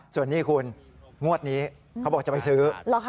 ส่วนนี้คุณงวดนี้เขาบอกจะไปซื้อ